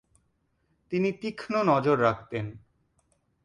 তিনি তীক্ষ্ণ নজর রাখতেন।